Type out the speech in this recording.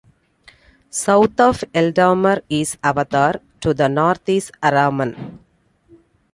South of Eldamar is Avathar; to the north is Araman.